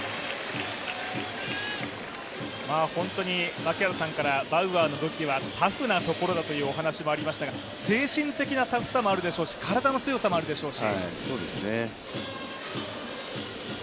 槙原さんから、バウアーの武器はタフなところだというお話がありましたが、精神的なタフさもあるでしょうし、体の強さもあるでしょうし。